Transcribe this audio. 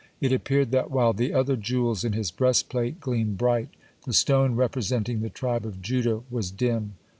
It appeared that, while the other jewels in his breastplate gleamed bright, the stone representing the tribe of Judah was dim.